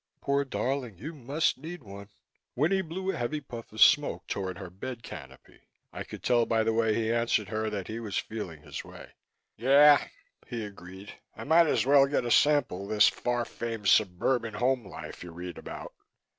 Poor darling, you must need one." Winnie blew a heavy puff of smoke toward her bed canopy. I could tell by the way he answered her that he was feeling his way. "Yeah," he agreed. "I might as well get a sample of this far famed suburban home life you read about."